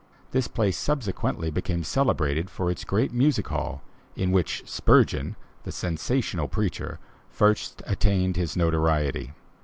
This place subsequently became celebrated for its great music hall, in which Spurgeon, the sensational preacher, first attained his notoriety.